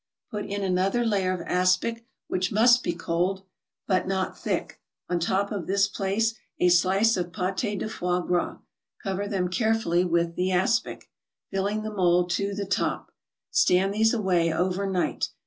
Put in another layer of aspic, which must be cold, but not thick; on top of this place a slice of pate de foie gras, cover them carefully with the aspic, filling the mold to the top. Stand these away over night.